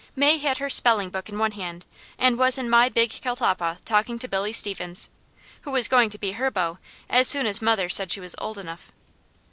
May had her spelling book in one hand and was in my big catalpa talking to Billy Stevens, who was going to be her beau as soon as mother said she was old enough.